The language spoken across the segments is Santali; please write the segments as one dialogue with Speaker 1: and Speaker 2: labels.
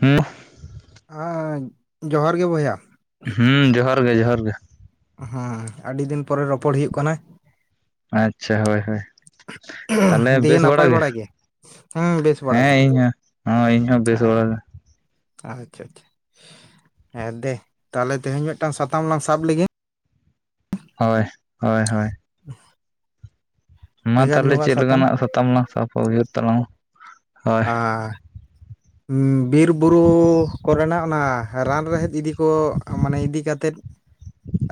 Speaker 1: ᱦᱩᱸ
Speaker 2: ᱦᱮᱸ ᱡᱚᱦᱟᱨ ᱜᱮ ᱵᱚᱭᱦᱟ ᱾
Speaker 1: ᱦᱩᱸ ᱡᱚᱦᱟᱨ ᱜᱮ ᱡᱚᱦᱟᱨ ᱜᱮ ᱾
Speaker 2: ᱦᱮᱸ ᱟᱹᱰᱤ ᱫᱤᱱ ᱯᱚᱨᱮ ᱨᱚᱯᱚᱲ ᱦᱩᱭᱩᱜ ᱠᱟᱱᱟ ᱾
Speaker 1: ᱟᱪᱪᱷᱟ ᱦᱳᱭ ᱦᱳᱭ ᱾
Speaker 2: ᱫᱤᱭᱮ ᱱᱟᱯᱟᱭ ᱵᱟᱲᱟ ᱜᱮ? ᱦᱮᱸ ᱵᱮᱥ ᱵᱟᱲᱟ
Speaker 1: ᱦᱮᱸ
Speaker 2: ᱜᱮ ᱾
Speaker 1: ᱤᱧ ᱦᱚᱸ ᱦᱳᱭ ᱤᱧ ᱦᱚᱸ ᱵᱮᱥ ᱵᱟᱲᱟ ᱜᱮ
Speaker 2: ᱟᱪᱪᱷᱟ ᱟᱪᱪᱷᱟ ᱦᱮᱸ ᱫᱮ ᱛᱟᱦᱚᱞᱮ ᱛᱮᱦᱮᱧ ᱢᱤᱫᱴᱟᱝ ᱥᱟᱛᱟᱢ ᱞᱟᱝ ᱥᱟᱵ ᱞᱮᱜᱤ ᱾
Speaker 1: ᱦᱳᱭ ᱦᱳᱭ ᱦᱳᱭ ᱾
Speaker 2: [inaudible]
Speaker 1: ᱢᱟ
Speaker 2: ᱵᱷᱮᱜᱟᱨ
Speaker 1: ᱛᱟᱦᱚᱞᱮ
Speaker 2: ᱧᱚᱜᱟᱜ
Speaker 1: ᱪᱮᱫ ᱞᱮᱠᱟᱱᱟᱜ ᱥᱟᱛᱟᱢ ᱞᱟᱝ ᱥᱟᱯᱟ ᱦᱩᱭᱦᱟᱹᱨ ᱛᱟᱞᱟᱝ ᱢᱮ ᱾
Speaker 2: ᱟ ᱵᱤᱨ-ᱵᱩᱨᱩ ᱠᱚᱨᱮᱱᱟᱜ ᱚᱱᱟ ᱨᱟᱱ ᱨᱮᱦᱮᱫ ᱤᱫᱤ ᱠᱚ ᱢᱟᱱᱮ ᱤᱫᱤ ᱠᱟᱛᱮᱫ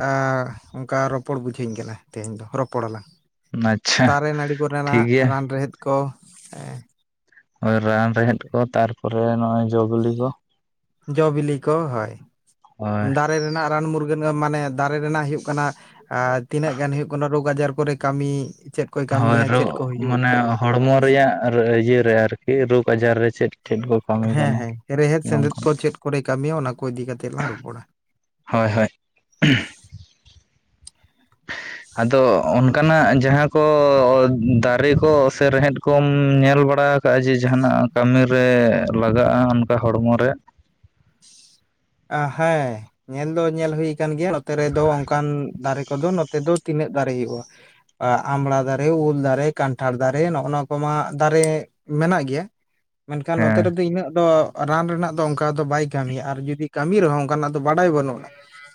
Speaker 2: ᱾ ᱚᱱᱠᱟ ᱨᱚᱯᱚᱲ ᱵᱩᱡᱷᱟᱹᱣᱧ ᱠᱟᱱᱟ ᱛᱮᱦᱮᱧ ᱫᱚ ᱨᱚᱯᱚᱲ ᱟᱞᱟᱝ᱾
Speaker 1: ᱟᱪᱪᱷᱟ
Speaker 2: ᱫᱟᱨᱮ ᱱᱟᱹᱲᱤ
Speaker 1: ᱴᱷᱤᱠ
Speaker 2: ᱠᱚᱨᱮᱱᱟᱜ
Speaker 1: ᱜᱮᱭᱟ
Speaker 2: ᱨᱟᱱ ᱨᱮᱦᱮᱫ ᱠᱚ᱾
Speaker 1: ᱨᱟᱱ ᱨᱮᱦᱮᱫ ᱠᱚ ᱛᱟᱨᱯᱚᱨᱮ ᱱᱚᱜᱼᱚᱭ ᱡᱚ ᱵᱤᱞᱤ ᱠᱚ᱾
Speaker 2: ᱡᱚ ᱵᱤᱞᱤ ᱠᱚ ᱦᱳᱭ
Speaker 1: ᱦᱳᱭ
Speaker 2: ᱫᱟᱨᱮ ᱨᱮᱱᱟᱜ ᱨᱟᱱ ᱢᱩᱨᱜᱟᱹᱱ ᱢᱟᱱᱮ ᱫᱟᱨᱮ ᱨᱮᱱᱟᱜ ᱦᱩᱭᱩᱜᱜ ᱠᱟᱱᱟ ᱛᱤᱱᱟᱹᱜ ᱜᱟᱱ ᱦᱩᱭᱩᱜ ᱠᱟᱱᱟ, ᱨᱳᱜᱽ ᱟᱡᱟᱨ ᱠᱚᱨᱮ ᱠᱟᱹᱢᱤ ᱪᱮᱫ ᱠᱚᱭ
Speaker 1: ᱦᱳᱭ
Speaker 2: ᱠᱟᱹᱢᱤᱭᱟ
Speaker 1: ᱨᱚ
Speaker 2: ᱪᱮᱫ ᱠᱚ ᱦᱩᱭᱩᱜ
Speaker 1: ᱢᱟᱱᱮ
Speaker 2: ᱵᱟᱝ ᱦᱩᱭᱩᱜ
Speaker 1: ᱦᱚᱲᱢᱚ ᱨᱮᱭᱟᱜ ᱤᱭᱟᱹᱨᱮ ᱟᱨᱠᱤ ᱨᱳᱜᱽ ᱟᱡᱟᱨ ᱨᱮ ᱪᱮᱫ ᱪᱮᱫ ᱠᱚ ᱠᱟᱹᱢᱤ
Speaker 2: ᱦᱮᱸ
Speaker 1: ᱠᱟᱱᱟ
Speaker 2: ᱦᱮᱸ ᱨᱮᱦᱮᱫ ᱥᱮᱸᱫᱮᱫ
Speaker 1: ᱱᱚᱝᱠᱟ
Speaker 2: ᱠᱚ ᱪᱮᱫ ᱠᱚᱨᱮ ᱠᱟᱹᱢᱤᱭᱟ ᱚᱱᱟ ᱠᱚ ᱤᱫᱤ ᱠᱟᱛᱮᱫ ᱞᱟᱝ ᱨᱚᱯᱚᱲᱟ᱾
Speaker 1: ᱦᱳᱭ ᱦᱳᱭ ᱟᱫᱚ ᱩᱱ ᱚᱱᱠᱟᱱᱟᱜ ᱡᱟᱦᱟᱸ ᱠᱚ ᱫᱟᱨᱮ ᱠᱚ ᱥᱮ ᱨᱮᱦᱮᱫ ᱠᱚᱢ ᱧᱮᱞ ᱵᱟᱲᱟ ᱟᱠᱟᱟᱜᱼᱟ ᱡᱮ ᱡᱟᱦᱟᱱᱟᱜ ᱠᱟᱹᱢᱤ ᱨᱮ ᱞᱟᱜᱟᱜᱼᱟ, ᱚᱱᱠᱟ ᱦᱚᱲᱢᱚ ᱨᱮ
Speaker 2: ᱦᱮᱸ ᱧᱮᱞ ᱫᱚ ᱧᱮᱞ ᱦᱩᱭᱩ ᱟᱠᱟᱱ ᱜᱮᱭᱟ᱾ ᱱᱚᱛᱮ ᱨᱮᱫᱚ ᱚᱱᱠᱟᱱ ᱫᱟᱨᱮ ᱠᱚᱫᱚ ᱱᱚᱛᱮ ᱫᱚ ᱛᱤᱱᱟᱹᱜ ᱫᱟᱨᱮ ᱦᱩᱭᱩᱜᱼᱟ, ᱟᱢᱲᱟ ᱫᱟᱨᱮ ᱩᱞ ᱫᱟᱨᱮ ᱠᱟᱱᱴᱷᱟᱲ ᱫᱟᱨᱮ ᱱᱚᱜᱼᱱᱟ ᱠᱚᱢᱟ ᱫᱟᱨᱮ ᱢᱮᱱᱟᱜ ᱜᱮᱭᱟ, ᱢᱮᱱᱠᱷᱟᱱ ᱱᱚᱛᱮ
Speaker 1: ᱦᱮᱸ
Speaker 2: ᱨᱮᱫᱚ ᱤᱱᱟᱹᱜ ᱫᱚ ᱨᱟᱱ ᱨᱮᱱᱟᱜ ᱫᱚ ᱚᱱᱠᱟ ᱫᱚ ᱵᱟᱭ ᱠᱟᱹᱢᱤᱭᱟ ᱟᱨ ᱡᱩᱫᱤ ᱠᱟᱹᱢᱤ ᱨᱮᱦᱚᱸ ᱚᱱᱠᱟᱱᱟᱜ ᱫᱚ ᱵᱟᱰᱟᱭ ᱵᱟᱹᱱᱩᱜᱼᱟ,